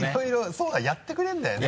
そうだやってくれるんだよね。